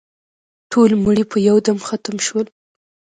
ټول مړي په یو دم ختم شول.